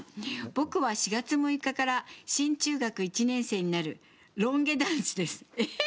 僕は４月６日から新中学１年生になるロン毛男子です。